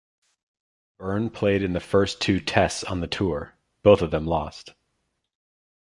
Burn played in the first two Tests on the tour, both of them lost.